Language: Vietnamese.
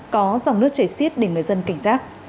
có dòng nước chảy xiết để người dân cảnh giác